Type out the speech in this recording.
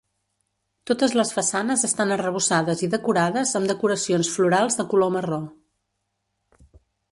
Totes les façanes estan arrebossades i decorades amb decoracions florals de color marró.